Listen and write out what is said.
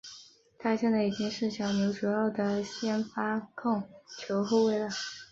他现在已经是小牛主要的先发控球后卫了。